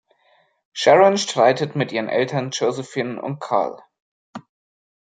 Sharon streitet mit ihren Eltern Josephine und Carl.